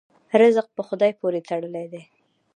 رزق په خدای پورې تړلی دی.